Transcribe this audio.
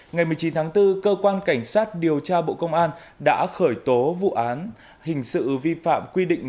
ngày một mươi chín tháng bốn cơ quan cảnh sát điều tra bộ công an đã khởi tố vụ án hình sự vi phạm quy định